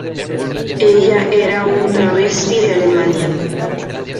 Ella era un travesti de Alemania.